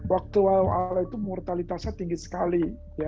waktu awal itu mortalitasnya tinggi sekali